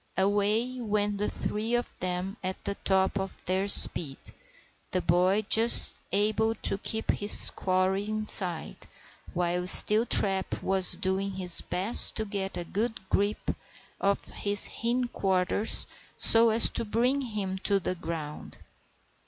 Away went the three of them at the top of their speed, the boy just able to keep his quarry in sight, while Steeltrap was doing his best to get a good grip of his hindquarters so as to bring him to the ground.